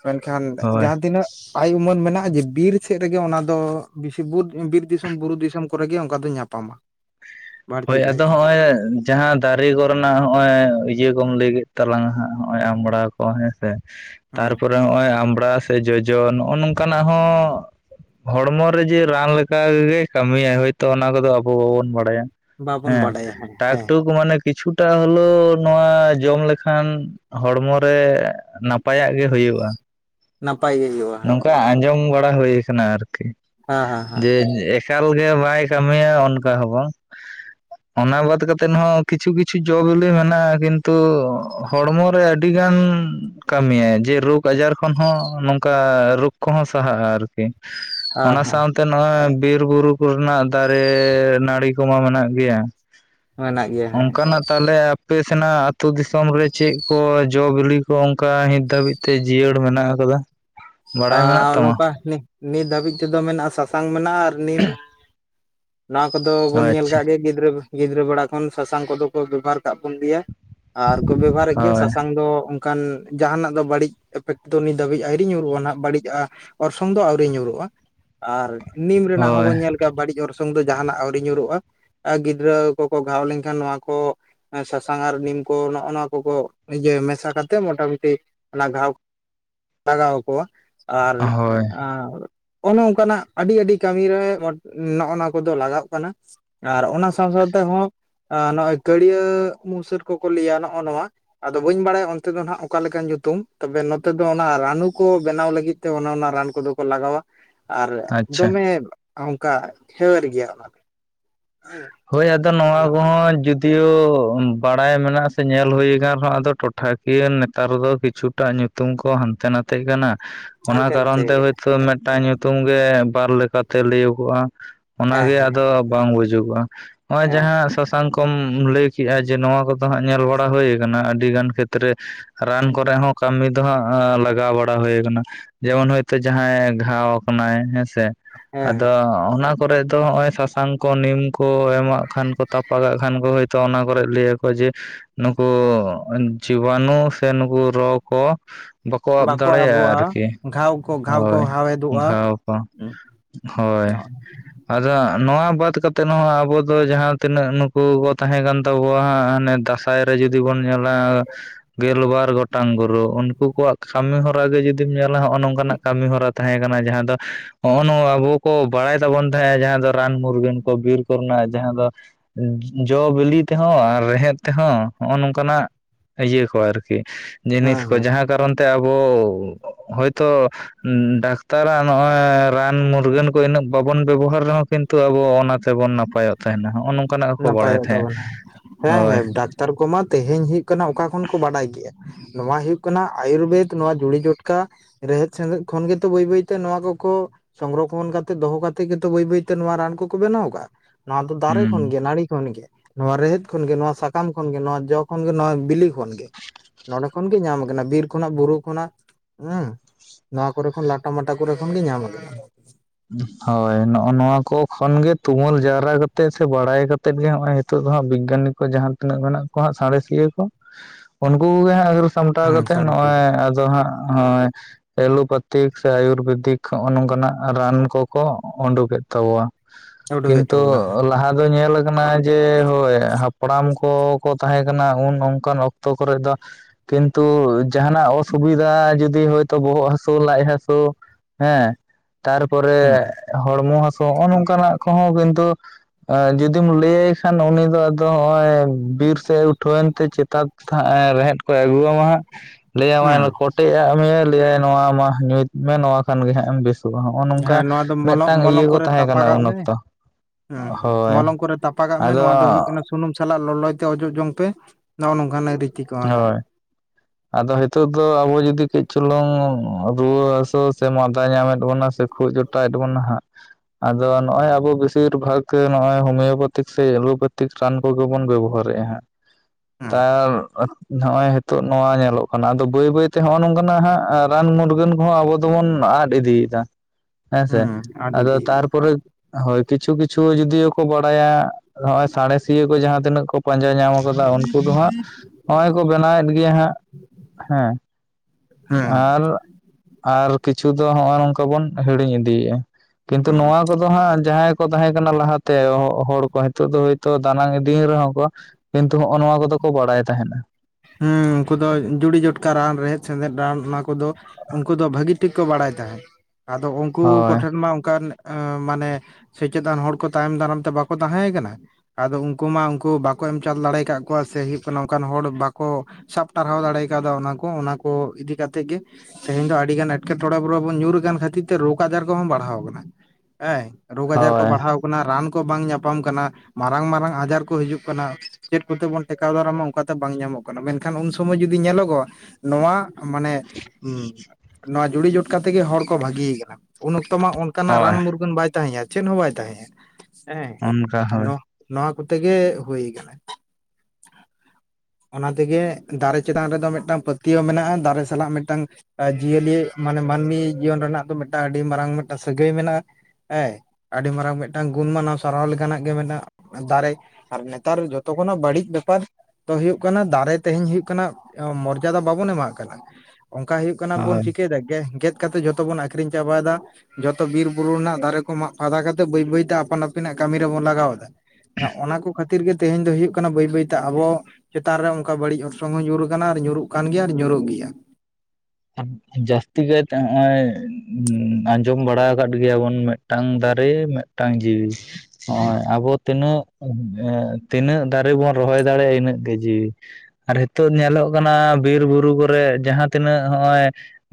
Speaker 2: ᱢᱮᱱᱠᱷᱟᱱ
Speaker 1: ᱦᱳᱭ
Speaker 2: ᱡᱟᱦᱟᱸ ᱛᱤᱱᱟᱹᱜ ᱟᱭ ᱩᱢᱟᱹᱨ ᱢᱮᱱᱟᱜᱼᱟ ᱡᱮ ᱵᱤᱨ ᱥᱮᱫ ᱨᱮᱜᱮ ᱚᱱᱟ ᱫᱚ ᱵᱮᱥᱤ ᱵᱤᱨ ᱫᱤᱥᱚᱢ ᱵᱩᱨᱩ ᱫᱤᱥᱚᱢ ᱠᱚᱨᱮ ᱜᱮ ᱚᱱᱠᱟ ᱫᱚ ᱧᱟᱯᱟᱢᱟ [inaudible] [unintelligible]
Speaker 1: ᱦᱳᱭ ᱟᱫᱚ
Speaker 2: ᱠᱟᱭᱛᱮ
Speaker 1: ᱦᱚᱜᱼᱚᱭ ᱡᱟᱦᱟᱸ ᱫᱟᱨᱮ ᱠᱚᱨᱮᱱᱟᱜ ᱦᱚᱸᱜᱼᱚᱭ ᱤᱭᱟᱹ ᱠᱚᱢ ᱞᱟᱹᱜᱤᱫ ᱛᱟᱞᱟᱝ ᱦᱟᱸᱜ ᱦᱚᱸᱜᱼᱚᱭ ᱟᱢᱲᱟ ᱠᱚ ᱦᱮᱸ ᱥᱮ
Speaker 2: ᱦᱮᱸ
Speaker 1: ᱛᱟᱨᱯᱚᱨᱮ ᱱᱚᱜᱼᱚᱭ ᱟᱢᱲᱟ ᱥᱮ ᱡᱚᱡᱚ ᱱᱚᱜᱼᱚ ᱱᱚᱝᱠᱟᱱᱟᱜ ᱦᱚᱸ ᱦᱚᱲᱢᱚ ᱨᱮ ᱡᱮ ᱨᱟᱱ ᱞᱮᱠᱟ ᱜᱮ ᱠᱟᱹᱢᱤᱭᱤᱭᱟ ᱦᱚᱭᱛᱚ ᱚᱱᱟ ᱠᱚᱫᱚ ᱟᱵᱚ ᱵᱟᱵᱚᱱ ᱵᱟᱲᱟᱭᱟ?
Speaker 2: ᱵᱟᱵᱚᱱ
Speaker 1: ᱦᱮᱸ
Speaker 2: ᱵᱟᱰᱟᱭᱟ
Speaker 1: ᱴᱟᱠ
Speaker 2: ᱦᱮᱸ
Speaker 1: ᱴᱩᱠ ᱢᱟᱱᱮ ᱠᱤᱪᱷᱩᱴᱟ ᱦᱚᱞᱮ ᱱᱚᱣᱟ ᱡᱚᱢ ᱞᱮᱠᱷᱟᱱ ᱦᱚᱲᱢᱚ ᱨᱮ ᱱᱟᱯᱟᱭᱟᱜ ᱜᱮ ᱦᱩᱭᱩᱜᱼᱟ᱾
Speaker 2: ᱱᱟᱯᱟᱭ ᱜᱮ ᱦᱩᱭᱩᱜᱼᱟ ᱦᱮᱸ
Speaker 1: ᱱᱚᱝᱠᱟ ᱟᱸᱡᱚᱢ ᱵᱟᱲᱟ ᱦᱩᱭ ᱟᱠᱟᱱᱟ᱾ ᱠᱟᱱᱟ ᱟᱨᱠᱤ
Speaker 2: ᱦᱮᱸ ᱦᱮᱸ ᱦᱮᱸ
Speaker 1: ᱡᱮ ᱮᱠᱟᱞ ᱜᱮ ᱵᱟᱭ ᱠᱟᱹᱢᱤᱭᱟ ᱚᱱᱠᱟ ᱦᱚᱸ ᱵᱟᱝ
Speaker 2: [inaudible]
Speaker 1: ᱚᱱᱟ ᱵᱟᱫ ᱠᱟᱛᱮᱜ ᱦᱚᱸ ᱠᱤᱪᱷᱩ ᱠᱤᱪᱷᱩ ᱡᱚ ᱵᱤᱞᱤ ᱢᱮᱱᱟᱜᱼᱟ᱾ ᱠᱤᱱᱛᱩ ᱦᱚᱲᱢᱚᱨ ᱨᱮ ᱟᱹᱰᱤ ᱜᱟᱱ ᱠᱟᱹᱢᱤᱭᱟᱭ ᱡᱮ ᱨᱳᱜᱽ ᱟᱡᱟᱨ ᱠᱷᱚᱱ ᱦᱚᱸ ᱱᱚᱝᱠᱟ ᱨᱳᱜᱽ ᱠᱚᱦᱚᱸ ᱥᱟᱦᱟᱜᱼᱟ ᱟᱨᱠᱤ᱾
Speaker 2: ᱦᱮᱸ
Speaker 1: ᱚᱱᱟ
Speaker 2: ᱦᱮᱸ
Speaker 1: ᱥᱟᱶᱛᱮ ᱱᱚᱜᱼᱚᱭ ᱵᱤᱨ ᱵᱩᱨᱩ ᱠᱚᱨᱮᱱᱟᱜ ᱫᱟᱨᱮ ᱱᱟᱹᱲᱤ ᱠᱚᱢᱟ ᱢᱮᱱᱟᱜ ᱜᱮᱭᱟ᱾
Speaker 2: ᱢᱮᱱᱟᱜ ᱜᱮᱭᱟ ᱦᱮᱸ
Speaker 1: ᱚᱱᱠᱟᱱᱟᱜ ᱛᱟᱦᱚᱞᱮ ᱟᱯᱮ ᱥᱮᱱᱟᱜ ᱴ ᱟᱹᱛᱩ ᱫᱤᱥᱚᱢ ᱨᱮ ᱪᱮᱫ ᱠᱚ ᱡᱚ ᱵᱤᱞᱤ ᱠᱚ ᱚᱱᱠᱟ ᱦᱤᱛ ᱫᱷᱟᱹᱵᱤᱡ ᱛᱮ ᱡᱤᱭᱟᱹᱲ ᱢᱮᱱᱟᱜ ᱟᱠᱟᱫᱟ᱾ ᱵᱟᱲᱟᱭ ᱢᱮᱱᱟᱜ
Speaker 2: ᱟᱨ
Speaker 1: ᱛᱟᱢᱟ
Speaker 2: ᱱᱚᱝᱠᱟ ᱱᱤᱛ ᱫᱷᱟᱹᱵᱤᱡ ᱛᱮᱫᱚ ᱢᱮᱱᱟᱜᱼᱟ ᱥᱟᱥᱟᱝ, ᱢᱮᱱᱟᱜᱼᱟ ᱟᱨ ᱱᱤᱱ ᱱᱚᱣᱟ ᱠᱚᱫᱚ ᱵᱚᱱ ᱧᱮᱞ
Speaker 1: ᱟᱪᱪᱷᱟ
Speaker 2: ᱠᱮᱫ ᱜᱮ ᱜᱤᱫᱽᱨᱟᱹ ᱜᱤᱫᱽᱨᱟᱹ ᱵᱮᱲᱟ ᱠᱷᱚᱱ ᱥᱟᱥᱟᱝ ᱠᱚᱫᱚ ᱠᱚ ᱵᱮᱵᱚᱦᱟᱨ ᱠᱟᱜ ᱵᱚᱱ ᱜᱮᱭᱟ᱾ ᱟᱨ ᱠᱚ ᱵᱮᱵᱚᱦᱟᱨᱮᱫ ᱜᱮᱭᱟ
Speaker 1: ᱦᱳᱭ
Speaker 2: ᱥᱟᱥᱟᱝ ᱫᱚ ᱠᱷᱟᱱ ᱡᱟᱦᱟᱱᱟᱜ ᱫᱚ ᱵᱟᱹᱲᱤᱡ ᱮᱯᱷᱮᱠᱴ ᱫᱚ ᱱᱤᱛ ᱫᱷᱟᱹᱵᱤᱡ ᱦᱤᱧ ᱧᱩᱨ ᱦᱟᱜ ᱵᱟᱹᱲᱤᱡᱼᱟ ᱚᱨᱥᱚᱝ ᱫᱚ ᱟᱹᱣᱨᱤ ᱧᱩᱨᱦᱩᱜᱼᱟ ᱟᱨ ᱱᱤᱢ ᱨᱮᱱᱟᱜ
Speaker 1: ᱦᱳᱭ
Speaker 2: ᱦᱚᱸᱵᱚᱱ ᱧᱮᱞ ᱠᱮᱭᱟ ᱵᱟᱹᱲᱤᱡ ᱚᱨᱥᱚᱝ ᱥᱚᱝ ᱫᱚ ᱡᱟᱦᱟᱱᱟᱜ ᱟᱹᱣᱨᱤ ᱧᱩᱨᱩᱜᱼᱟ, ᱜᱤᱫᱽᱨᱟᱹ ᱠᱚᱠᱚ ᱜᱷᱟᱣ ᱞᱮᱱᱠᱷᱟᱱ ᱱᱚᱣᱟ ᱠᱚ ᱥᱟᱥᱟᱝ ᱟᱨ ᱱᱤᱢ ᱠᱚ ᱱᱚᱜᱼ ᱱᱚᱣᱟ ᱠᱚᱠᱚ ᱤᱭᱟᱹ ᱢᱮᱥᱟ ᱠᱟᱛᱮᱜ ᱢᱚᱴᱟᱢᱩᱴᱤ ᱚᱱᱟ ᱜᱟᱣ ᱞᱟᱜᱟᱣ ᱟᱠᱚᱣᱟ᱾ ᱟᱨ
Speaker 1: ᱦᱳᱭ
Speaker 2: ᱟ ᱱᱚᱭ ᱱᱚᱠᱟᱱᱟᱜ ᱟᱹᱰᱤ ᱟᱹᱰᱤ ᱠᱟᱹᱢᱮ ᱱᱚᱜᱼᱚ ᱱᱚᱣᱟ ᱠᱚᱫᱚ ᱞᱟᱜᱟᱜ ᱠᱟᱱᱟ ᱟᱨ ᱚᱱᱟ ᱥᱟᱶ ᱥᱟᱶ ᱛᱮ ᱦᱚᱸ ᱱᱚᱜᱼᱚᱭ ᱠᱟᱹᱲᱭᱟᱹ ᱢᱩᱥᱟᱹᱨ ᱠᱚᱠᱚ ᱞᱟᱹᱭᱟ ᱱᱚᱜᱼᱚ ᱱᱚᱣᱟ ᱟᱫᱚ ᱵᱟᱹᱧ ᱵᱟᱲᱟᱭᱟ ᱚᱱᱛᱮ ᱫᱚ ᱦᱟᱜ ᱚᱠᱟᱞᱮᱠᱟᱱ ᱧᱩᱛᱩᱢ ᱛᱚᱵᱮ ᱱᱚᱛᱮ ᱫᱚ ᱚᱱᱟ ᱨᱟᱱᱩ ᱠᱚ ᱵᱮᱱᱟᱣ ᱞᱟᱹᱜᱤᱫ ᱛᱮ ᱚᱱᱟ ᱨᱟᱱ ᱠᱚᱫᱚ ᱠᱚ ᱞᱟᱜᱟᱣᱟ᱾ ᱟᱨ
Speaker 1: ᱟᱪᱪᱷᱟ
Speaker 2: ᱫᱚᱢᱮ ᱚᱱᱠᱟ ᱦᱮᱭᱟᱹᱨ ᱜᱮᱭᱟ ᱚᱱᱟ ᱫᱚ ᱦᱮᱸ
Speaker 1: ᱦᱳᱭ ᱟᱫᱚ ᱱᱚᱣᱟ
Speaker 2: ᱚᱱᱮ ᱚᱱᱠᱟ
Speaker 1: ᱠᱚᱦᱚᱸ ᱡᱩᱫᱤ ᱯᱟᱹᱛᱭᱟᱹᱣ ᱵᱟᱲᱟᱭ ᱢᱮᱱᱟᱜ-ᱟ ᱥᱮ ᱧᱮᱞ ᱦᱩᱭ ᱟᱠᱟᱱ ᱨᱮᱦᱚᱸ ᱟᱫᱚ ᱴᱚᱴᱷᱟᱠᱤᱭᱟᱹ ᱱᱮᱛᱟᱨ ᱫᱚ ᱠᱤᱪᱷᱩᱴᱟ ᱧᱩᱛᱩᱢ ᱧᱩᱛᱩᱢ ᱠᱚ ᱦᱟᱱᱛᱮ ᱱᱟᱛᱮ ᱠᱟᱱᱟ ᱚᱱᱟ
Speaker 2: ᱦᱟᱱᱛᱮ ᱱᱟᱛᱮ
Speaker 1: ᱠᱟᱨᱚᱱ ᱛᱮ
Speaker 2: ᱠᱟᱱᱟ
Speaker 1: ᱦᱳᱭᱛᱳ ᱢᱤᱫᱴᱟᱝ ᱧᱩᱛᱩᱢ ᱜᱮ ᱵᱟᱨ ᱞᱮᱠᱟᱛᱮ ᱞᱟᱹᱭᱟᱹᱜᱚᱜᱼᱟ
Speaker 2: ᱦᱮᱸ
Speaker 1: ᱚᱱᱟᱜᱮ
Speaker 2: ᱦᱮᱸ
Speaker 1: ᱟᱫᱚ ᱵᱟᱝ ᱜᱩᱡᱩᱜᱚᱜ-ᱟ ᱱᱚᱜ-ᱚᱭ
Speaker 2: ᱦᱮᱸ
Speaker 1: ᱡᱟᱦᱟᱸ ᱥᱚᱥ ᱥᱟᱝ ᱠᱚᱢ ᱞᱟᱹᱭ ᱠᱮᱜ-ᱟ ᱡᱮ ᱱᱚᱣᱟ ᱠᱚᱫᱚ ᱦᱟᱸᱜ ᱧᱮᱞ ᱵᱟᱲᱟ ᱦᱩᱭ ᱠᱟᱱᱟ ᱟᱹᱰᱤᱜᱟᱱ ᱠᱷᱮᱛᱨᱮ ᱨᱟᱱ ᱠᱚᱨᱮ ᱦᱚᱸ ᱠᱟᱹᱢᱤ ᱫᱚ ᱦᱟᱸᱜ ᱞᱟᱜᱟᱣ ᱵᱟᱲᱟ ᱦᱩᱭ ᱠᱟᱱᱟ ᱡᱮᱢᱚᱱ ᱦᱚᱭᱛᱚ ᱡᱟᱦᱟᱸᱭ ᱜᱷᱟᱣ ᱠᱟᱱᱟᱭ ᱦᱮᱸᱥᱮ
Speaker 2: ᱦᱮᱸ
Speaker 1: ᱟᱫᱚ
Speaker 2: ᱦᱮᱸ
Speaker 1: ᱚᱱᱟ ᱠᱚᱨᱮ ᱫᱚ ᱦᱚᱜ-ᱚᱭ ᱥᱟᱥᱟᱝ ᱠᱚ ᱱᱤᱢ ᱠᱚ ᱮᱢᱟᱜ ᱠᱷᱟᱱ ᱠᱚ ᱛᱟᱯᱟᱜᱟᱜ ᱠᱷᱟᱱ ᱠᱚ ᱦᱳᱭᱛᱳ ᱚᱱᱟ ᱠᱚᱨ ᱞᱟᱹᱭ ᱟᱠᱚ ᱡᱮ ᱱᱩᱠᱩ ᱡᱤᱵᱟᱱᱩ ᱥᱮ ᱱᱩᱠᱩ ᱨᱚ ᱠᱚ ᱵᱟᱠᱚ ᱟᱵᱽ ᱫᱟᱲᱮᱭᱟᱜ-ᱟ ᱟᱨᱠᱤ
Speaker 2: ᱜᱷᱟᱣ ᱠᱚ ᱜᱷᱟᱣ ᱠᱚ
Speaker 1: ᱦᱳᱭ
Speaker 2: ᱦᱟᱣᱮᱫᱚᱜᱼᱟ
Speaker 1: ᱜᱷᱟᱣ ᱠᱚ
Speaker 2: ᱦᱮᱸ
Speaker 1: ᱦᱳᱭ
Speaker 2: [unintelligible]
Speaker 1: ᱟᱫᱚ ᱱᱚᱣᱟ ᱵᱟᱛ ᱠᱟᱛᱮ [unintelligible] ᱟᱵᱚ ᱫᱚ ᱡᱟᱦᱟᱸ ᱛᱤᱱᱟᱹᱜ ᱱᱩᱠᱩ ᱠᱚ ᱛᱟᱦᱮᱸ ᱠᱟᱱ ᱛᱟᱵᱚᱣᱟ ᱦᱟᱸᱜ ᱦᱟᱱᱮ ᱫᱟᱥ ᱥᱟᱭ ᱨᱮ ᱡᱩᱫᱤ ᱵᱚᱱ ᱧᱮᱞᱟ ᱜᱮᱞᱵᱟᱨ ᱜᱚᱴᱟᱝ ᱜᱩᱨᱩ ᱩᱱᱠᱩ ᱠᱚᱣᱟᱜ ᱠᱟᱹᱢᱤ ᱦᱚᱨᱟ ᱜᱮ ᱡᱩᱫᱤ ᱡᱩᱫᱤᱢ ᱧᱮᱞᱟ ᱦᱚᱜ ᱱᱚᱝᱠᱟ ᱱᱟᱸᱜ ᱠᱟᱹᱢᱤ ᱦᱚᱨᱟ ᱛᱟᱦᱮᱸ ᱠᱟᱱᱟ ᱡᱟᱦᱟᱸ ᱫᱚ ᱦᱚᱜ ᱱᱚᱣᱟ ᱟᱵᱚ ᱠᱚ ᱵᱟᱲᱟᱭ ᱛᱟᱵᱚᱱ ᱛᱟᱦᱮᱸᱜ-ᱟ ᱡᱟᱦᱟᱸ ᱫᱚ ᱨᱟᱱ ᱢᱩᱨᱜᱟᱹᱱ ᱠᱚ ᱵᱤᱨ ᱠᱚᱨᱮᱱᱟᱜ ᱡᱟᱦᱟᱸ ᱫᱚ ᱡᱚ ᱵᱤᱞᱤ ᱛᱮᱦᱚᱸ ᱟᱨ ᱨᱮᱦᱮᱫ ᱛᱮᱦᱚᱸ ᱱᱚᱜ ᱱᱚᱝᱠᱟᱱᱟᱜ ᱤᱭᱟᱹ ᱠᱚᱣᱟ ᱟᱨᱠᱤ ᱡᱤᱱᱤᱥ ᱠᱚ
Speaker 2: ᱦᱮᱸ
Speaker 1: ᱡᱟᱦᱟᱸ ᱠᱟᱨᱚᱱ ᱛᱮ ᱟᱵᱚ ᱦᱚᱭᱛᱚ ᱰᱟᱠ ᱱᱮᱛᱟᱨᱟᱜ ᱱᱚᱜ-ᱚᱭ ᱨᱟᱱ ᱢᱩᱨᱜᱟᱹᱱ ᱠᱚ ᱩᱱᱟᱹᱜ ᱵᱟᱵᱚᱱ ᱵᱮᱵᱚᱦᱟᱨ ᱨᱮᱦᱚᱸ ᱠᱤᱱᱛᱩ ᱟᱵᱚ ᱚᱱᱟ ᱛᱮᱵᱚᱱ ᱱᱟᱯᱟᱭᱚᱜ ᱛᱟᱦᱮᱱᱟ ᱦᱚᱜ ᱱᱚᱝᱠᱟᱱᱟᱜ ᱜᱮᱠᱚ ᱵᱟᱲᱟᱭ ᱛᱟᱦᱮᱸᱜ ᱦᱳᱭ
Speaker 2: ᱱᱮᱛᱟᱨ ᱠᱚ ᱢᱟ ᱛᱮᱦᱮᱧ ᱦᱩᱭᱩᱜ ᱠᱟᱱᱟ ᱚᱠᱟ ᱠᱷᱚᱱ ᱠᱚ ᱵᱟᱰᱟᱭ ᱜᱮᱭᱟ ᱱᱚᱣᱟ ᱦᱩᱭᱩᱜ ᱠᱟᱱᱟ ᱟᱹᱭᱩᱨᱵᱮᱫ ᱱᱚᱣᱟ ᱡᱩᱲᱤ ᱡᱚᱴᱠᱟ ᱨᱮᱦᱮᱫ ᱥᱮᱸᱥᱮᱫᱮᱫ ᱠᱷᱚᱱ ᱜᱮᱛᱚ ᱵᱟᱹᱭ ᱵᱟᱹᱭᱛᱮ ᱱᱚᱣᱟ ᱠᱚᱠᱚ ᱥᱚᱝᱨᱚᱠᱠᱷᱚᱱ ᱠᱟᱛᱮ ᱫᱚᱦᱚ ᱠᱟᱛᱮᱫ ᱜᱮᱛᱚ ᱵᱟᱹᱭ ᱵᱟᱹᱭᱛᱮ ᱱᱚᱣᱟ ᱨᱟᱱ ᱠᱚᱠᱚ ᱵᱮᱱᱟᱣ ᱠᱟᱜ-ᱟ ᱱᱚᱣᱟ ᱫᱚ ᱫᱟᱨᱮ
Speaker 1: ᱦᱩᱸ
Speaker 2: ᱠᱷᱚᱱᱜᱮ ᱱᱟᱲᱤ ᱠᱷᱚᱱᱜᱮ ᱱᱚᱣᱟ ᱨᱮᱦᱮᱫ ᱠᱷᱚᱱᱜᱮ ᱱᱚᱣᱟ ᱥᱟᱠᱟᱢ ᱠᱷᱚᱱᱜᱮ ᱱᱚᱣᱟ ᱡᱚ ᱠᱷᱚᱱᱜᱮ ᱱᱚᱣᱟ ᱵᱤᱞᱤ ᱠᱷᱚᱱᱜᱮ ᱱᱚᱰᱮ ᱠᱷᱚᱱ ᱜᱮ ᱧᱟᱢ ᱟᱠᱟᱱᱟ ᱵᱤᱨ ᱠᱷᱚᱱᱟᱜ ᱵᱩᱨᱩ ᱠᱷᱚᱱᱟᱜ ᱦᱮᱸ ᱱᱚᱣᱟ ᱠᱚᱨᱮ ᱠᱷᱚᱱ ᱞᱟᱴᱟ ᱢᱟᱴᱟ ᱠᱚᱨᱮ ᱠᱷᱚᱱ ᱜᱮ ᱧᱟᱢ ᱟᱠᱟᱫᱟ
Speaker 1: ᱦᱳᱭ ᱱᱚᱸᱜ ᱱᱚᱣᱟ ᱠᱚ ᱠᱷᱚᱱᱟᱜ ᱛᱩᱢᱟᱹᱞ ᱡᱟᱣᱨᱟ ᱠᱟᱛᱮᱜ ᱥᱮ ᱵᱟᱲᱟᱭ ᱠᱟᱛᱮ ᱛᱮᱫ ᱜᱮ ᱱᱚᱜ-ᱚᱭ ᱱᱤᱛᱚᱜ ᱫᱚ ᱦᱟᱸᱜ ᱵᱤᱜᱽᱜᱟᱱᱤ ᱠᱚ ᱡᱟᱦᱟᱸ ᱛᱤᱱᱟᱹᱜ ᱢᱮᱱᱟᱜ ᱠᱚᱣᱟ ᱥᱟᱬᱮᱥᱤᱭᱟᱹ ᱠᱚ ᱩᱱᱠᱩ ᱠᱚ ᱜᱮ ᱦᱟᱸᱜ ᱨᱩ ᱥᱟᱢᱴᱟᱣ
Speaker 2: ᱠᱟᱱᱟ ᱦᱮᱸ
Speaker 1: ᱠᱟᱛᱮᱜ
Speaker 2: ᱥᱟᱹᱲᱤ ᱥᱟᱹᱭ
Speaker 1: ᱱᱚᱜ-ᱚᱭ
Speaker 2: ᱫᱚ
Speaker 1: ᱟᱫᱚ ᱦᱟᱸᱜ ᱱᱚᱜ-ᱚᱭ ᱮᱞᱳᱯᱟᱛᱷᱤᱠ ᱥᱮ ᱟᱭᱩᱨᱵᱮᱫᱤᱠ ᱱᱚᱜ ᱱᱚᱝᱠᱟᱱᱟᱜ ᱨᱟᱱ ᱠᱚᱠᱚ ᱩᱰᱩᱠᱮᱫ ᱛᱟᱵᱚᱣᱟ
Speaker 2: ᱩᱰᱩᱠᱮᱫ
Speaker 1: ᱠᱤᱱᱛᱩ
Speaker 2: ᱛᱟᱵᱚᱱᱟ ᱦᱮᱸ
Speaker 1: ᱞᱟᱦᱟ ᱫᱚ ᱧᱮᱞ ᱠᱟᱱᱟ ᱡᱮ ᱦᱳᱭ ᱦᱟᱯᱲᱟᱢ ᱠᱚᱠᱚ ᱛᱟᱦᱮᱸ ᱠᱟᱱᱟ ᱩᱱ ᱚᱱᱠᱟᱱ ᱚᱠᱛᱚ ᱠᱚᱨᱮ ᱫᱚ ᱠᱤᱱᱛᱩ ᱡᱟᱦᱱᱟᱜ ᱚᱥᱩᱵᱤᱫᱷᱟ ᱡᱩᱫᱤ ᱦᱚᱳᱭᱛᱳ ᱵᱚᱦᱚᱜ ᱦᱟᱹᱥᱩ ᱞᱟᱡᱽ ᱦᱟᱹᱥᱩ ᱦᱮᱸ ᱛᱟᱨᱯᱚᱨᱮ ᱦᱚᱲᱢᱚ ᱦᱟᱹᱥᱩ ᱱᱚᱜ ᱱᱚᱝᱠᱟᱱᱟᱜ ᱠᱚᱦᱚᱸ ᱠᱤᱱᱛᱩ ᱡᱩᱫᱤᱢ ᱞᱟᱹᱭᱟᱭ ᱠᱷᱟᱱ ᱩᱱᱤ ᱫᱚ ᱟᱫᱚ ᱱᱚᱜ-ᱚᱭ ᱵᱤᱨ ᱥᱮᱫ ᱩᱴᱷᱟᱹᱣ ᱮᱱ ᱛᱮ ᱪᱮᱛᱟᱛ ᱛᱟᱸᱦ ᱨᱮᱦᱮᱫ ᱠᱚ ᱟᱹᱜᱩᱣᱟᱢᱟ ᱦᱟᱸᱜ ᱞᱟᱹᱭᱟᱢᱟᱭ
Speaker 2: ᱦᱮᱸ
Speaker 1: ᱠᱚᱴᱮᱡ ᱟᱫ ᱢᱮ ᱞᱟᱹᱭᱟᱭ ᱱᱚᱣᱟ ᱢᱟ ᱧᱩᱭ ᱢᱮ ᱱᱚᱣᱟ ᱠᱷᱟᱱ ᱜᱮ ᱦᱟᱸᱜ ᱮᱢ ᱵᱮᱥ ᱱᱚᱜ ᱱᱚᱝᱠᱟ
Speaker 2: ᱦᱮᱸ ᱱᱚᱣᱟ ᱫᱚ ᱢᱚᱞᱚᱝ
Speaker 1: ᱢᱤᱫᱴᱟᱝ
Speaker 2: ᱢᱚᱞᱚᱝ
Speaker 1: ᱤᱭᱟᱹ ᱠᱚ
Speaker 2: ᱠᱚᱨᱮ
Speaker 1: ᱛᱟᱦᱮᱸ
Speaker 2: ᱛᱟᱯᱟ
Speaker 1: ᱠᱟᱱᱟ
Speaker 2: ᱠᱟᱜ
Speaker 1: ᱩᱱ
Speaker 2: ᱢᱮ
Speaker 1: ᱚᱠᱛᱚ
Speaker 2: ᱦᱩᱸ ᱦᱩᱸ
Speaker 1: ᱦᱳᱭ
Speaker 2: ᱢᱚᱞᱚᱝ ᱠᱚᱨᱮ ᱛᱟᱯᱟ ᱠᱟᱜ ᱢᱮ
Speaker 1: ᱟᱫᱚ
Speaker 2: ᱱᱚᱣᱟ ᱫᱚ ᱦᱩᱭᱩᱜ ᱠᱟᱱᱟ ᱥᱩᱱᱩᱢ ᱥᱟᱞᱟᱜ ᱞᱚᱞᱚᱭ ᱛᱮ ᱚᱡᱚᱜ ᱡᱚᱝ ᱯᱮ ᱱᱚᱜ-ᱚ ᱱᱚᱝᱠᱟᱱᱟᱜ ᱨᱤᱠ
Speaker 1: ᱦᱳᱭ
Speaker 2: [inaudible]
Speaker 1: ᱟᱫᱚ ᱱᱤᱛᱚᱜ ᱫᱚ ᱟᱵᱚ ᱡᱩᱫᱤ ᱠᱟᱹᱡᱽ ᱪᱩᱞᱩᱝ ᱨᱩᱣᱟᱹ ᱦᱟᱹᱥᱩ ᱥᱮ ᱢᱟᱫᱟ ᱧᱟᱢᱮᱫ ᱵᱚᱱᱟ ᱥᱮ ᱠᱷᱩᱜ ᱡᱚ ᱛᱟᱭᱮᱫᱵᱚᱱᱟ ᱦᱟᱸᱜ ᱟᱫᱚ ᱱᱚᱜᱼᱚᱭ ᱟᱵᱚ ᱵᱮᱥᱤᱨ ᱵᱷᱟᱜᱽ ᱱᱚᱜᱼᱚᱭ ᱦᱳᱢᱤᱭᱳᱯᱮᱛᱷᱤᱠ ᱥᱮ ᱮᱞᱳᱯᱮᱛᱤᱠ ᱨᱟᱱ ᱠᱚᱜᱮ ᱵᱚᱱ ᱵᱮᱵᱚᱦᱟᱨᱮᱫᱼᱟ ᱦᱟᱸᱜ
Speaker 2: [inaudible]
Speaker 1: ᱛᱟᱨ ᱱᱚᱜᱼᱚᱭ ᱦᱤᱛᱳᱜ ᱱᱚᱣᱟ ᱧᱮᱞᱚᱜ ᱠᱟᱱᱟ ᱟᱫᱚ ᱵᱟᱹᱭ ᱵᱟᱹᱭᱛᱮ ᱱᱚᱜᱼᱚ ᱱᱚᱝᱠᱟᱱᱟᱜ ᱦᱟᱸᱜ ᱨᱟᱱ ᱢᱩᱨᱜᱟᱹᱱ ᱠᱚᱦᱚᱸ ᱟᱵᱚ ᱫᱚ ᱵᱚᱱ ᱟᱫ ᱤᱫᱤᱭᱮᱫᱟ ᱾
Speaker 2: [inaudible]
Speaker 1: ᱦᱮᱸ ᱥᱮ
Speaker 2: ᱟᱹᱰᱤ
Speaker 1: ᱟᱫᱚ
Speaker 2: ᱦᱩᱸ
Speaker 1: ᱛᱟᱨᱯᱚᱨᱮ ᱦᱳᱭ ᱠᱤᱪᱷᱩ ᱠᱤᱪᱷᱩ ᱡᱩᱫᱤᱭᱚᱠᱚ ᱵᱟᱲᱟᱭᱟ ᱱᱚᱜᱼᱚᱭ ᱥᱟᱬᱮᱥᱤᱭᱟᱹ ᱠᱚ ᱡᱟᱦᱟᱸ ᱛᱤᱱᱟᱹᱜ ᱠᱚ ᱯᱟᱸᱡᱟ ᱧᱟᱢ ᱠᱟᱫᱟ ᱩᱱᱠᱩ ᱫᱚ ᱦᱟᱸᱜ ᱱᱚᱜᱼᱚᱭ ᱠᱚ ᱵᱮᱱᱟᱣᱮᱫ ᱜᱮᱭᱟ ᱦᱟᱸᱜ ᱦᱮᱸ
Speaker 2: ᱦᱩᱸ
Speaker 1: ᱟᱨ ᱟᱨ ᱠᱤᱪᱷᱩ ᱫᱚ ᱦᱚᱜᱼᱚᱭᱚ ᱱᱚᱝᱠᱟ ᱵᱚᱱ ᱦᱤᱲᱤᱧ ᱤᱫᱤᱭᱮᱫᱼᱟ ᱾ ᱠᱤᱱᱛᱩ ᱱᱚᱣᱟ ᱠᱚᱫᱚ ᱦᱟᱸᱜ ᱡᱟᱦᱟᱸᱭ ᱠᱚ ᱛᱟᱦᱮᱸ ᱠᱟᱱᱟ ᱞᱟᱦᱟᱛᱮ ᱦᱚᱲ ᱠᱚ ᱱᱤᱛᱚᱜ ᱫᱚ ᱦᱭᱛᱳ ᱫᱟᱱᱟᱝᱤᱫᱤᱮᱱ ᱨᱮᱦᱚᱸ ᱠᱚ ᱠᱤᱱᱛᱩ ᱦᱚᱜᱼᱚ ᱱᱚᱣᱟ ᱠᱚᱫᱚ ᱠᱚ ᱵᱟᱲᱟᱭ ᱛᱟᱦᱮᱱᱟ ᱾
Speaker 2: ᱦᱮᱸ ᱩᱱᱠᱩ ᱫᱚ ᱡᱩᱲᱤ ᱡᱚᱴᱠᱟ ᱨᱟᱱ ᱨᱮᱦᱮᱫ ᱥᱮᱸᱫᱮᱫ ᱨᱟᱱ ᱚᱱᱟ ᱠᱚ ᱫᱚ ᱩᱱᱠᱩ ᱫᱚ ᱵᱷᱟᱹᱜᱤ ᱴᱷᱤᱠ ᱠᱚ ᱵᱟᱲᱟᱭ ᱛᱟᱦᱮᱸᱫ ᱟᱫᱚ ᱩᱱᱠᱩ
Speaker 1: ᱦᱳᱭ
Speaker 2: ᱠᱚᱴᱷᱮᱱ ᱢᱟ ᱚᱱᱠᱟᱱ ᱢᱟᱱᱮ ᱥᱮᱪᱮᱫ ᱟᱱ ᱦᱚᱲ ᱠᱚ ᱛᱟᱭᱚᱢ ᱫᱟᱨᱟᱢ ᱛᱮ ᱵᱟᱠᱚ ᱛᱟᱦᱮᱸᱭ ᱠᱟᱱᱟ ᱾ ᱟᱫᱚ ᱩᱱᱠᱩ ᱢᱟ ᱩᱱᱠᱩ ᱵᱟᱠᱚ ᱮᱢ ᱪᱟᱞ ᱫᱟᱲᱮ ᱟᱠᱟᱫ ᱠᱚᱣᱟ ᱥᱮ ᱦᱩᱭᱩᱜ ᱠᱟᱱᱟ ᱚᱱᱠᱟᱱ ᱦᱚᱲ ᱵᱟᱠ ᱠᱚ ᱥᱟᱵ ᱴᱟᱨᱦᱟᱣ ᱫᱟᱲᱮᱭ ᱠᱟᱣᱫᱟ ᱚᱱᱟ ᱠᱚ ᱚᱱᱟ ᱠᱚ ᱤᱫᱤ ᱠᱟᱛᱮᱫ ᱜᱮ ᱛᱮᱦᱮᱧ ᱫᱚ ᱟᱹᱰᱤ ᱜᱟᱱ ᱮᱸᱴᱠᱮᱴᱚᱲᱮ ᱠᱚᱨᱮ ᱵᱚᱱ ᱧᱩᱨ ᱟᱠᱟᱱ ᱠᱷᱟᱹᱛᱤᱨ ᱛᱮ ᱨᱳᱜᱽ ᱟᱡᱟᱨ ᱠᱚᱦᱚᱸ ᱵᱟᱲᱦᱟᱣ ᱟᱠᱟᱱᱟ ᱦᱮᱸ ᱨᱳᱜᱽ ᱟᱡᱟᱨ ᱠᱚ
Speaker 1: ᱦᱳᱭ
Speaker 2: ᱵᱟᱲᱦᱟᱣ ᱟᱠᱟᱱᱟ ᱨᱟᱱ ᱠᱚ ᱵᱟᱝ ᱧᱟᱯᱟᱢ ᱠᱟᱱᱟ ᱾ ᱢᱟᱨᱟᱝ ᱢᱟᱨᱟᱝ ᱟᱡᱟᱨ ᱠᱚ ᱦᱤᱡᱩᱜ ᱠᱟᱱᱟ ᱪᱮᱫ ᱠᱚᱛᱮ ᱵᱚᱱ ᱴᱮᱠᱟᱣ ᱫᱟᱨᱟᱢᱟ ᱚᱱᱠᱟᱛᱮ ᱵᱟᱝ ᱧᱟᱢᱚᱜ ᱠᱟᱱᱟ ᱢᱮᱱᱠᱷᱟᱱ ᱩᱱ ᱥᱚᱢᱚᱭ ᱡᱩᱫᱤ ᱧᱮᱞᱚᱜᱚᱜᱼᱟ ᱱᱚᱣᱟ ᱢᱟᱱᱮ ᱱᱚᱣᱟ ᱡᱩᱲᱤ ᱡᱚᱴᱠᱟ ᱛᱮᱜᱮ ᱦᱚᱲ ᱠᱚ ᱵᱷᱟᱹᱜᱤᱭᱟ ᱠᱟᱱᱟ ᱩᱱ ᱚᱠᱛᱚ ᱢᱟ ᱚᱱᱠᱟᱱᱟᱜ
Speaker 1: ᱦᱳᱭ
Speaker 2: ᱨᱟᱱ ᱢᱩᱨᱜᱟᱹᱱ ᱵᱟᱭ ᱛᱟᱦᱮᱸᱼᱟ ᱪᱮᱫ ᱦᱚᱸ ᱵᱟᱭ ᱛᱟᱦᱮᱸᱼᱟ ᱦᱮᱸ
Speaker 1: ᱚᱱᱠᱟ ᱦᱳᱭ
Speaker 2: ᱱᱚᱣᱟ ᱠᱚᱛᱮ ᱜᱮ ᱦᱩᱭ ᱟᱠᱟᱱᱟ ᱾ ᱚᱱᱟ ᱛᱮᱜᱮ ᱫᱟᱨᱮ ᱪᱮᱛᱟᱱ ᱨᱮᱫᱚ ᱢᱮᱫᱴᱟᱝ ᱯᱟᱹᱛᱭᱟᱹᱣ ᱢᱮᱱᱟᱜᱼᱟ ᱫᱟᱨᱮ ᱥᱟᱞᱟᱜ ᱢᱮᱫᱴᱟᱝ ᱡᱤᱭᱟᱹᱞᱤ ᱢᱟᱱᱮ ᱢᱟᱹᱱᱢᱤ ᱡᱤᱭᱚᱱ ᱨᱮᱱᱟᱜ ᱫᱚ ᱢᱮᱫᱴᱟᱝ ᱟᱹᱰᱤ ᱢᱟᱨᱟᱝ ᱢᱤᱫᱴᱟᱝ ᱥᱟᱹᱜᱟᱹᱭ ᱢᱮᱱᱟᱜᱼᱟ ᱦᱮᱸ ᱟᱹᱰᱤ ᱢᱟᱨᱟᱝ ᱢᱮᱫᱴᱟᱝ ᱜᱩᱱ ᱢᱟᱱᱟᱣ ᱥᱟᱨᱦᱟᱣ ᱞᱮᱠᱟᱱᱟᱜ ᱜᱮ ᱢᱮᱱᱟᱜ ᱾ ᱫᱟᱨᱮ ᱟᱨ ᱱᱮᱛᱟᱨ ᱡᱚᱛᱚᱠᱷᱚᱱᱟᱜ ᱵᱟᱹᱲᱤᱡ ᱵᱮᱯᱟᱨ ᱛᱚ ᱦᱩᱭᱩᱜ ᱠᱟᱱᱟ ᱫᱟᱨᱮ ᱛᱮᱦᱮᱧ ᱦᱩᱭᱩᱜ ᱠᱟᱱᱟ ᱢᱚᱨᱡᱟᱫᱟ ᱵᱟᱵᱚᱱ ᱮᱢᱟᱜ ᱠᱟᱱᱟ ᱾ ᱚᱱᱠᱟ ᱦᱩᱭᱩᱜᱜ ᱠᱟᱱᱟ ᱵᱚᱱ
Speaker 1: ᱦᱳᱭ
Speaker 2: ᱪᱤᱠᱟᱹᱭᱮᱫᱟ ᱜᱮᱫ ᱠᱟᱛᱮᱜ ᱡᱚᱛᱚ ᱵᱚᱱ ᱟᱠᱷᱨᱤᱧ ᱪᱟᱵᱟᱭᱮᱫᱟ ᱾ ᱡᱚᱛᱚ ᱵᱤᱨ ᱵᱩᱨᱩ ᱨᱮᱱᱟᱜ ᱫᱟᱨᱮ ᱠᱚ ᱢᱟᱜ ᱯᱷᱟᱫᱟ ᱠᱟᱛᱮᱜ ᱵᱟᱹᱭ ᱵᱟᱹᱭᱛᱮ ᱟᱯᱟᱱ ᱟᱹᱯᱤᱱᱟᱜ ᱠᱟᱹᱢᱤ ᱨᱮᱵᱚᱱ ᱞᱟᱜᱟᱣ ᱮᱫᱟ ᱾ ᱚᱱᱟ ᱠᱚ ᱠᱷᱟᱹᱛᱤᱨ ᱜᱮ ᱛᱮᱦᱮᱧ ᱫᱚ ᱦᱩᱭᱩᱜ ᱠᱟᱱᱟ ᱵᱟᱹᱭ ᱵᱟᱹᱭᱛᱮ ᱟᱵᱚ ᱪᱮᱛᱟᱱ ᱨᱮ ᱚᱱᱠᱟ ᱵᱟᱹᱲᱤᱡ ᱚᱨᱥᱚᱝ ᱦᱚᱸ ᱧᱩᱨ ᱟᱠᱟᱱᱟ ᱟᱨ ᱧᱩᱨᱩᱜ ᱠᱟᱱ ᱜᱮᱭᱟ ᱟᱨ ᱧᱩᱨᱩᱜ ᱜᱮᱭᱟ ᱾
Speaker 1: ᱡᱟᱹᱥᱛᱤ ᱠᱟᱭᱛᱮ ᱦᱚᱸᱜᱼᱚᱭ ᱟᱸᱡᱚᱢ ᱵᱟᱲᱟ ᱟᱠᱟᱫ ᱜᱮᱭᱟᱵᱚᱱ ᱢᱮᱴ ᱴᱟᱝ ᱫᱟᱨᱮ ᱢᱤᱫᱴᱟᱝ ᱡᱤᱣᱤ ᱱᱚᱜᱼᱚᱭ ᱟᱵᱚ ᱛᱤᱱᱟᱹᱜ ᱛᱤᱱᱟᱹᱜ ᱫᱟᱨᱮ ᱵᱚᱱ ᱨᱚᱦᱚᱭ ᱫᱟᱲᱮᱭᱟᱜᱼᱟ ᱤᱱᱟᱹᱜ ᱜᱮ ᱡᱤᱣᱤ ᱾ ᱟᱨ ᱦᱤᱛᱳᱜ ᱧᱮᱞᱚᱜ ᱠᱟᱱᱟ ᱵᱤᱨ ᱵᱩᱨᱩ ᱠᱚᱨᱮ ᱡᱟᱦᱟᱸ ᱛᱤᱱᱟᱹᱜ ᱱᱚᱜᱼᱚᱭ